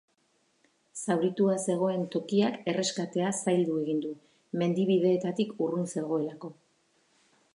Zauritua zegoen tokiak erreskatea zaildu egin du, mendi-bideetatik urrun zegoelako.